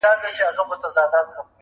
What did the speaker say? په دولت او مال یې ډېر وو نازولی,